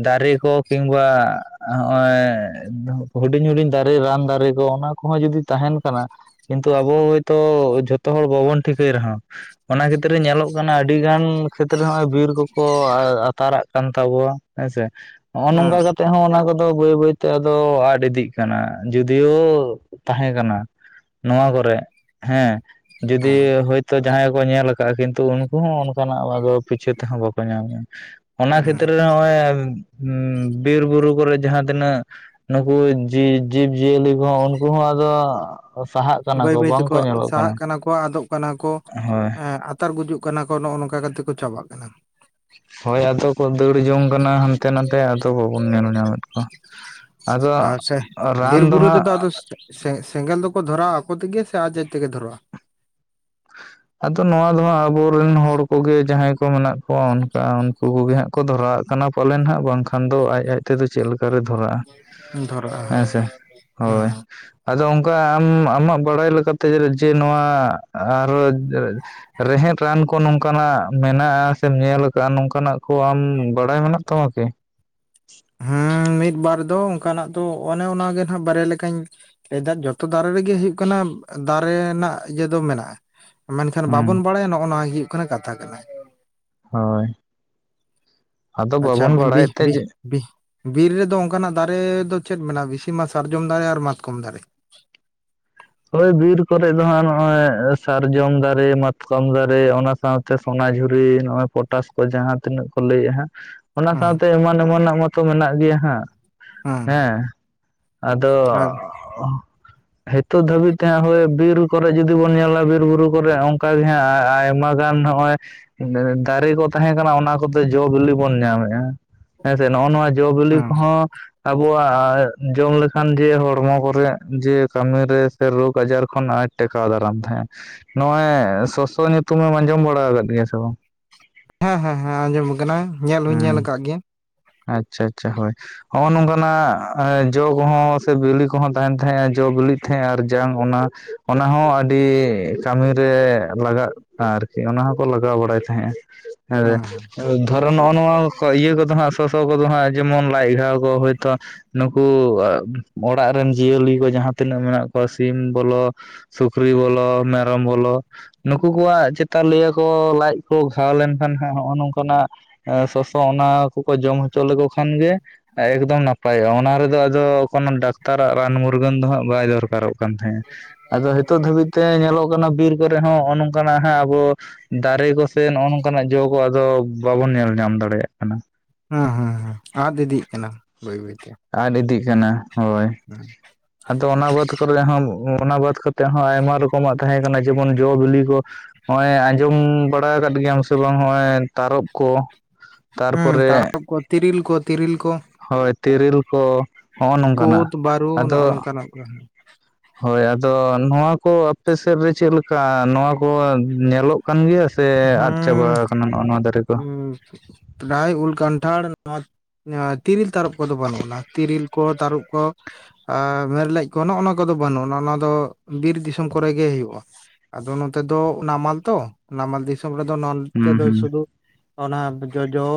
Speaker 1: ᱫᱟᱨᱮ ᱠᱚ ᱠᱤᱢᱵᱟ ᱦᱚᱜᱼᱚᱭ ᱦᱩᱰᱤᱧ ᱦᱩᱰᱤᱧ ᱫᱟᱨᱮ ᱨᱟᱱ ᱫᱟᱨᱮ ᱠᱚ ᱚᱱᱟ ᱠᱚᱦᱚᱸ ᱡᱩᱫᱤ ᱛᱟᱦᱮᱱ ᱠᱟᱱᱟ ᱠᱤᱱᱛᱩ ᱟᱵᱚ ᱦᱚᱭᱛᱚ ᱡᱷᱚᱛᱚ ᱦᱚᱲ ᱵᱟᱵᱚᱱ ᱴᱷᱤᱠᱟᱹᱭ ᱨᱮᱦᱚᱸ ᱚᱱᱟ ᱠᱷᱟᱛᱤᱨ ᱧᱮᱞᱚᱜ ᱠᱟᱱᱟ ᱟᱹᱰᱤ ᱜᱟᱱ ᱠᱷᱮᱛᱨᱮ ᱱᱚᱜᱚᱭ ᱵᱤᱨ ᱠᱚᱠᱚ ᱟᱛᱟᱨᱟᱜ ᱠᱟᱱ ᱛᱟᱵᱚᱣᱟ ᱦᱮᱸᱥᱮ ᱱᱚᱜᱼᱚ
Speaker 2: ᱦᱮᱸ
Speaker 1: ᱱᱚᱝᱠᱟ ᱠᱟᱛᱮᱜ ᱦᱚᱸ ᱚᱱᱟ ᱠᱚ ᱟᱫᱚ ᱵᱟᱹᱭ ᱵᱟᱹᱭᱛᱮ ᱟᱫᱚ ᱟᱫ ᱤᱫᱤᱜ ᱠᱟᱱᱟ ᱡᱩᱫᱤᱭᱳ ᱛᱟᱦᱮᱸ ᱠᱟᱱᱟ ᱾ ᱱᱚᱣᱟ ᱠᱚᱨᱮ ᱦᱮᱸ ᱡᱩᱫᱤ
Speaker 2: ᱦᱮᱸ
Speaker 1: ᱦᱭᱭ ᱛᱚ ᱡᱟᱦᱟᱸᱭ ᱜᱮ ᱠᱚ ᱧᱮᱞ ᱠᱟᱜᱼᱟ ᱠᱤᱱᱛᱩ ᱩᱱᱠᱩ ᱦᱚᱸ ᱚᱱᱠᱟᱱᱟᱜ ᱟᱫᱚ ᱯᱤᱪᱷᱟᱹ ᱛᱮᱦᱚᱸ ᱵᱟᱠᱚ ᱧᱟᱢᱼᱟ ᱾ ᱚᱱᱟ
Speaker 2: ᱦᱮᱸ
Speaker 1: ᱠᱷᱮᱛᱛᱨᱮ ᱨᱮ ᱦᱚᱜᱼᱚᱭ ᱵᱤᱨ ᱵᱩᱨᱩ ᱠᱚᱨᱮ ᱡᱟᱦᱟᱸ ᱛᱤᱱᱟᱹᱜ ᱱᱩᱠᱩ ᱡᱤ ᱡᱤᱵ ᱡᱤᱭᱟᱹᱞᱤ ᱠᱚᱦᱚᱸ ᱩᱱᱠᱩ ᱦᱚᱸ ᱟᱫᱚ ᱥᱟᱦᱟᱜ ᱠᱟᱱᱟ
Speaker 2: ᱵᱟᱹᱭ
Speaker 1: ᱠᱚ
Speaker 2: ᱵᱟᱹᱭ ᱛᱮᱠᱚ
Speaker 1: ᱵᱟᱝᱠᱚ ᱧᱮᱞᱚᱜ
Speaker 2: ᱥᱟᱦᱟᱜ ᱠᱟᱱᱟ ᱠᱚ ᱟᱫᱚᱜ ᱠᱟᱱᱟ ᱠᱚ
Speaker 1: ᱦᱳᱭ
Speaker 2: ᱮ ᱟᱛᱟᱨ ᱜᱩᱡᱩᱜ ᱠᱟᱱᱟ ᱠᱚ ᱱᱚᱜᱼᱚ ᱱᱚᱝᱠᱟ ᱠᱟᱛᱮ ᱠᱚ ᱪᱟᱵᱟᱜ ᱠᱟᱱᱟ
Speaker 1: ᱦᱳᱭ ᱟᱫᱚ ᱠᱚ ᱫᱟᱹᱲ ᱡᱚᱝ ᱠᱟᱱᱟ ᱦᱟᱱ ᱦᱟᱱᱛᱮ ᱱᱟᱛᱮ ᱟᱫᱚ ᱵᱟᱵᱚᱱ ᱧᱮᱞ ᱧᱟᱢᱮᱫ ᱠᱚᱣᱟ ᱟᱫᱚ
Speaker 2: ᱟᱨ ᱥᱮ
Speaker 1: ᱨᱟᱱ
Speaker 2: ᱵᱤᱨ
Speaker 1: ᱫᱚ
Speaker 2: ᱵᱩᱨᱩ
Speaker 1: ᱦᱟᱸᱜ
Speaker 2: ᱨᱮᱫᱚ ᱟᱫᱚ ᱥᱮᱸᱜᱮᱞ ᱫᱚᱠᱚ ᱫᱷᱚᱨᱟᱼᱟ ᱟᱠᱚ ᱛᱮᱜᱮ ᱥᱮ ᱟᱡᱽᱟᱡᱽ ᱛᱮᱜᱮ ᱫᱷᱚᱨᱟᱜᱼᱟ ᱾
Speaker 1: ᱟᱫᱚ ᱱᱚᱣᱟ ᱫᱚ ᱦᱟᱸᱜ ᱟᱵᱚᱨᱮᱱ ᱦᱚᱲ ᱠᱚᱜᱮ ᱡᱟᱦᱟᱸᱭ ᱠᱚ ᱢᱮᱱᱟᱜ ᱠᱚᱣᱟ ᱚᱱᱠᱟ ᱦᱚᱠᱩ ᱠᱩᱜᱮ ᱦᱟᱸᱜ ᱠᱚ ᱫᱷᱚᱨᱟᱣᱟᱜ ᱠᱟᱱᱟ ᱯᱟᱞᱮᱱ ᱦᱟᱸᱜ ᱵᱟᱝᱠᱷᱟᱱ ᱫᱚ ᱟᱡ ᱟᱡ ᱛᱮᱫᱚ ᱪᱮᱫ ᱠᱟᱨᱮ ᱫᱷᱚᱨᱟᱜᱼᱟ
Speaker 2: ᱫᱷᱚᱨᱟᱜᱼᱟ
Speaker 1: ᱦᱮᱸ ᱥᱮ ᱦᱳᱭ
Speaker 2: ᱦᱮᱸ ᱦᱮᱸ
Speaker 1: ᱟᱫᱚ ᱚᱱᱠᱟ ᱟᱢ ᱟᱢᱟᱜ ᱵᱟᱲᱟᱭ ᱞᱮᱠᱟᱛᱮ ᱡᱮ ᱱᱚᱣᱟ ᱟᱨᱚ ᱨᱮᱦᱮᱫ ᱨᱟᱱ ᱠᱚ ᱱᱚᱝᱠᱟᱱᱟᱜ ᱢᱮᱱᱟᱜᱼᱟ ᱥᱮᱢ ᱧᱮᱞ ᱟᱠᱟᱫᱼᱟ ᱱᱚᱝᱠᱟᱱᱟᱜ ᱠᱚ ᱟᱢ ᱵᱟᱲᱟᱭ ᱢᱮᱱᱟᱜ ᱛᱟᱢᱟ ᱠᱤ
Speaker 2: ᱦᱮᱸ ᱢᱤᱫ ᱵᱟᱨ ᱫᱚ ᱚᱱᱠᱟᱱᱟᱜ ᱛᱚ ᱚᱱᱮ ᱚᱱᱟᱜᱮ ᱱᱟᱜ ᱵᱟᱨᱭᱟ ᱞᱮᱠᱟᱧ ᱮᱫᱟᱜ ᱡᱚᱛᱚ ᱫᱟᱨᱮ ᱨᱮᱜᱮ ᱦᱩᱭᱩᱜ ᱠᱟᱱᱟ ᱫᱟᱨᱮ ᱨᱮᱱᱟᱜ ᱤᱭᱟᱹ ᱫᱚ ᱢᱮᱱᱟᱜᱼᱟ ᱢᱮᱱᱠᱷᱟᱱ
Speaker 1: ᱦᱩᱸ
Speaker 2: ᱵᱟᱵᱚᱱ ᱵᱟᱲᱟᱭᱟ ᱱᱚᱜᱼᱚ ᱱᱚᱣᱟ ᱦᱩᱭᱩᱜ ᱠᱟᱱᱟ ᱠᱟᱛᱷᱟ ᱠᱟᱱᱟ᱾
Speaker 1: ᱦᱳᱭ ᱟᱫᱚ
Speaker 2: ᱟᱪᱪᱷᱟ
Speaker 1: ᱵᱟᱵᱚᱱ
Speaker 2: ᱵᱤ
Speaker 1: ᱵᱟᱲᱟᱭᱮᱫ ᱛᱮ
Speaker 2: ᱵᱤ ᱵᱤᱨ ᱨᱮᱫᱚ ᱚᱱᱠᱟᱱᱟᱜ ᱫᱟᱨᱮ ᱫᱚ ᱪᱮᱫ ᱢᱮᱱᱟᱜᱼᱟ ᱵᱤᱥᱤ ᱢᱟ ᱥᱟᱨᱡᱚᱢ ᱫᱟᱨᱮ ᱟᱨ ᱢᱟᱛᱠᱚᱢ ᱫᱟᱨᱮ
Speaker 1: ᱦᱳᱭ ᱵᱤᱨ ᱠᱚᱨᱮ ᱫᱚ ᱦᱟᱸᱜ ᱱᱚᱜᱼᱚᱭ ᱥᱟᱨᱡᱚᱢ ᱫᱟᱨᱮ ᱢᱟᱛᱠᱚᱢ ᱫᱟᱨᱮ ᱚᱱᱟ ᱥᱟᱶᱛᱮ ᱥᱚᱱᱟᱡᱷᱩᱨᱤ ᱱᱚᱜᱼᱚᱭ ᱯᱚᱴᱟᱥ ᱠᱚ ᱡᱟᱦᱟᱸ ᱛᱤᱱᱟᱹᱜ ᱠᱚ ᱞᱟᱹᱭᱮᱫ ᱦᱟᱜ ᱚᱱᱟ
Speaker 2: ᱦᱩᱸ
Speaker 1: ᱥᱟᱶᱛᱮ ᱮᱢᱟᱱ ᱮᱢᱟᱱᱟᱜ ᱢᱟᱛᱚ ᱢᱮᱱᱟᱜ ᱜᱮᱭᱟ ᱦᱟᱸᱜ
Speaker 2: ᱦᱩᱸ
Speaker 1: ᱦᱮᱸ ᱟᱫᱚ
Speaker 2: ᱦᱮᱸ
Speaker 1: ᱱᱤᱛᱚᱜ ᱫᱷᱟᱹᱵᱤᱡ ᱛᱮ ᱦᱳᱭ ᱵᱤᱨ ᱠᱚᱨᱮ ᱡᱩᱫᱤ ᱵᱚᱱ ᱧᱮᱞᱟ ᱵᱤᱨ ᱵᱩᱨᱩ ᱠᱚᱨᱮ ᱚᱱᱠᱟᱟᱜ ᱜᱮ ᱦᱟᱸᱜ ᱟᱭᱢᱟ ᱜᱟᱱ ᱱᱚᱜᱼᱚᱭ ᱫᱟᱨᱮ ᱠᱚ ᱛᱟᱦᱮᱸ ᱠᱟᱱᱟ ᱚᱱᱟ ᱠᱚᱛᱮ ᱡᱚ ᱵᱤᱞᱤ ᱵᱚᱱ ᱧᱟᱢᱮᱫᱼᱟ᱾ ᱦᱮᱸ ᱥᱮ ᱱᱚᱜᱼᱚ ᱱᱚᱣᱟ ᱡᱚᱼ ᱵᱤᱞᱤ
Speaker 2: ᱦᱮᱸ
Speaker 1: ᱠᱚᱦᱚᱸ ᱟᱵᱚᱣᱟᱜ ᱡᱚᱢ ᱞᱮᱠᱷᱟᱱ ᱡᱮ ᱦᱚᱲᱢᱚ ᱠᱚᱨᱮ ᱡᱮ ᱠᱟᱹᱢᱤ ᱥᱮ ᱨᱳᱜᱽ ᱟᱡᱟᱨ ᱠᱷᱚᱱᱴ ᱴᱮᱠᱟᱣ ᱫᱟᱨᱟᱢ ᱛᱟᱦᱮᱸᱜ ᱱᱚᱜᱼᱚᱭ ᱥᱚᱥᱚ ᱧᱩᱛᱩᱢᱮᱢ ᱟᱸᱡᱚᱢ ᱵᱟᱲᱟ ᱟᱠᱟᱫ ᱜᱮᱭᱟ ᱥᱮ ᱵᱟᱝ?
Speaker 2: ᱦᱮᱸ ᱦᱮᱸ ᱦᱮᱸ ᱟᱸᱡᱚᱢ ᱟᱠᱟᱱᱟ ᱧᱮᱞ ᱦᱚᱧ ᱧᱮᱞ
Speaker 1: ᱦᱮᱸ
Speaker 2: ᱟᱠᱟᱫ ᱜᱮᱭᱟ᱾
Speaker 1: ᱟᱪᱪᱷᱟ ᱟᱪᱪᱷᱟ ᱦᱳᱭ ᱦᱚᱸᱜᱼᱚ ᱱᱚᱝᱠᱟᱱᱟᱜ ᱡᱚ ᱠᱚᱦᱚᱸ ᱥᱮ ᱵᱤᱞᱤ ᱠᱚᱦᱚᱸ ᱛᱟᱦᱮᱱ ᱛᱟᱦᱮᱸᱜᱼᱟ ᱡᱚ ᱵᱤᱞᱤᱜ ᱛᱟᱦᱮᱸᱜᱼᱟ ᱟᱨ ᱡᱟᱝ ᱚᱱᱟ ᱚᱱᱟ ᱦᱚᱸ ᱟᱹᱰᱤ ᱠᱟᱹᱢᱤ ᱨᱮ ᱞᱟᱜᱟᱜ ᱟᱨᱠᱤ ᱚᱱᱟ ᱦᱚᱸᱠᱚ ᱞᱟᱜᱟᱣ ᱵᱟᱲᱟᱭ ᱛᱟᱦᱮᱸᱜᱼᱟ᱾ ᱦᱮᱸ ᱫᱷᱚᱨᱚ ᱱᱚᱜᱼᱚ ᱱᱚᱣᱟ ᱠᱚ ᱤᱭᱟᱹ ᱠᱚᱫᱚ ᱦᱟᱸᱜ ᱥᱚᱥᱚ ᱠᱚᱫᱚ ᱦᱟᱸᱜ ᱡᱮᱢᱚᱱ ᱞᱟᱡ ᱜᱷᱟᱣ ᱠᱚ ᱦᱳᱭᱛᱚ ᱱᱩᱠᱩ ᱚᱲᱟᱜ ᱨᱮᱱ ᱡᱤᱭᱟᱹᱞᱤ ᱠᱚ ᱡᱟᱦᱟᱸ ᱛᱤᱱᱟᱹᱜ ᱢᱮᱱᱟᱜ ᱠᱚᱣᱟ ᱥᱤᱢ ᱵᱚᱞᱚ ᱥᱩᱠᱨᱤ ᱵᱚᱞ ᱢᱮᱨᱚᱢ ᱵᱚᱞᱚ ᱱᱩᱠᱩ ᱠᱚᱣᱟᱜ ᱪᱮᱛᱟᱱ ᱞᱤᱭᱟᱹ ᱠᱚ ᱞᱟᱡ ᱠᱚ ᱜᱷᱟᱣ ᱞᱮᱱᱠᱷᱟᱱ ᱦᱟᱸᱜ ᱱᱚᱜᱼᱚ ᱱᱚᱝᱠᱟᱱᱟᱜ ᱥᱚᱥᱚ ᱚᱱᱟ ᱠᱚᱠᱚ ᱡᱚᱢ ᱦᱚᱪᱚ ᱞᱮᱠᱚ ᱠᱷᱟᱱ ᱜᱮ ᱮᱠᱫᱚᱢ ᱱᱟᱯᱟᱭᱚᱜᱼᱟ ᱚᱱᱟ ᱨᱮᱫᱚ ᱟᱫᱚ ᱠᱚᱱᱳ ᱰᱟᱠᱛᱟᱨᱟᱜ ᱨᱟᱱ ᱢᱩᱨᱜᱟᱹᱱ ᱫᱚ ᱦᱟᱸᱜ ᱵᱟᱭ ᱫᱚᱨᱠᱟᱨᱚᱜ ᱠᱟᱱᱟ᱾ ᱛᱟᱦᱮᱸᱜᱼᱟ ᱟᱫᱚ ᱱᱤᱛᱚᱜ ᱫᱷᱟᱹᱵᱤᱡ ᱛᱮ ᱧᱮᱞᱚᱜ ᱠᱟᱱᱟ ᱵᱤᱨ ᱠᱚᱨᱮ ᱦᱚᱸ ᱱᱚᱜᱼᱚ ᱱᱚᱝᱠᱟᱱᱟᱜ ᱦᱟᱸᱜ ᱟᱵᱚ ᱫᱟᱨᱮ ᱠᱚᱥᱮ ᱱᱚᱜᱼᱚ ᱱᱚᱝᱠᱟᱱᱟᱜ ᱡᱚ ᱠᱚ ᱟᱫᱚ ᱵᱟᱵᱚᱱ ᱧᱮᱞ ᱧᱟᱢ ᱫᱟᱲᱮᱭᱟᱜ ᱠᱟᱱᱟ᱾
Speaker 2: ᱦᱩᱸ ᱦᱩᱸ ᱦᱩᱸ ᱟᱫ ᱤᱫᱤᱜ ᱠᱟᱱᱟ ᱵᱟᱹᱭ ᱵᱟᱹᱭᱛᱮ
Speaker 1: ᱟᱫ ᱤᱫᱤᱜ ᱠᱟᱱᱟ ᱦᱳᱭ ᱟᱫᱚ ᱚᱱᱟ ᱵᱟᱫ ᱠᱚᱨᱮ ᱦᱚᱸ ᱚᱱᱟ ᱵᱟᱫ ᱠᱟᱛᱮᱜ ᱦᱚᱸ ᱟᱭᱢᱟ ᱨᱚᱠᱚᱢᱟᱜ ᱛᱟᱦᱮᱸ ᱠᱟᱱᱟ ᱡᱮᱢᱚᱱ ᱡᱚ ᱵᱤᱞᱤ ᱠᱚ ᱱᱚᱜ ᱚᱚᱭ ᱟᱸᱡᱚᱢ ᱵᱟᱲᱟ ᱟᱠᱟᱫ ᱜᱮᱭᱟᱢ ᱥᱮ ᱵᱟᱝ ᱦᱚᱜᱼᱚᱭ ᱛᱟᱨᱚᱯ ᱠᱚ
Speaker 2: ᱦᱩᱸ ᱛᱟᱨᱚ
Speaker 1: ᱛᱟᱨᱯᱚᱨᱮ
Speaker 2: ᱠᱚ ᱛᱤᱨᱤᱞ ᱠᱚ ᱛᱤᱨᱤᱞ ᱠᱚ
Speaker 1: ᱦᱳᱭ ᱛᱤᱨᱤᱞ ᱠᱚ ᱦᱚᱜᱼᱚ ᱱᱚᱝᱠᱟᱱᱟᱜ ᱟᱫᱚ
Speaker 2: ᱚ
Speaker 1: ᱦᱳᱭ ᱟᱫᱚ ᱱᱚᱣᱟ ᱠᱚ ᱟᱯᱮ ᱥᱮᱫ ᱨᱮ ᱪᱮᱫ ᱞᱮᱠᱟ ᱱᱚᱣᱟ ᱠᱚ ᱧᱮᱞᱚᱜ ᱠᱟᱱ ᱜᱮᱭᱟ ᱥᱮ ᱟᱫ ᱪᱟᱵᱟ
Speaker 2: ᱦᱮᱸ
Speaker 1: ᱠᱟᱱᱟ ᱱᱚᱜ ᱱᱚᱣᱟ ᱫᱟᱨᱮ ᱠᱚ
Speaker 2: ᱯᱨᱟᱭ ᱩᱞ ᱠᱟᱱᱴᱷᱟᱲ ᱱᱚᱣᱟ ᱛᱤᱨᱤᱞ ᱛᱟᱨᱚᱯ ᱠᱚᱫᱚ ᱵᱟᱹᱱᱩᱜ ᱟᱱᱟ ᱛᱤᱨᱤᱞ ᱠᱚ ᱛᱟᱹᱨᱚᱵ ᱠᱚ ᱢᱮᱨᱞᱮᱡ ᱠᱚ ᱱᱚᱜᱼᱚ ᱱᱚᱣᱟ ᱠᱚᱫᱚ ᱵᱟᱹᱱᱩᱜᱼᱟ ᱚᱱᱟ ᱫᱚ ᱵᱤᱨ ᱫᱤᱥᱚᱢ ᱠᱚᱨᱮ ᱜᱮ ᱦᱩᱭᱩᱜᱼᱟ᱾ ᱟᱫᱚ ᱱᱚᱛᱮ ᱫᱚ ᱚᱱᱟ ᱢᱟᱞ ᱛᱚ ᱱᱟᱢᱟᱞ ᱫᱤᱥᱚᱢ ᱨᱮᱫᱚ ᱱᱛᱮ
Speaker 1: ᱦᱩᱸ
Speaker 2: ᱫᱚ
Speaker 1: ᱦᱩᱸ
Speaker 2: ᱥᱩᱫᱩ ᱚᱱᱟ ᱡᱚᱡᱚ